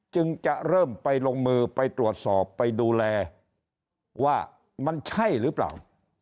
จึงจะเริ่มไปลงมือไปตรวจสอบไปดูแลว่ามันใช่หรือเปล่า